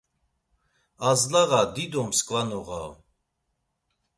Azlağa dido msǩva noğa on.